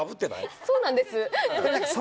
そうなんです。